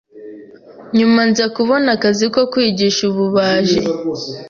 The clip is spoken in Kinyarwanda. Nyuma nza kubona akazi ko kwigisha ububaji